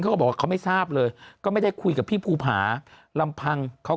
เขาก็บอกว่าเขาไม่ทราบเลยก็ไม่ได้คุยกับพี่ภูผาลำพังเขา